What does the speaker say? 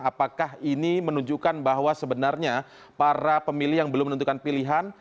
apakah ini menunjukkan bahwa sebenarnya para pemilih yang belum menentukan pilihan